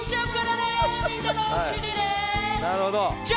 なるほど。